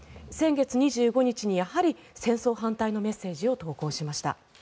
先月２５日に、やはり戦争反対のメッセージを投稿しました。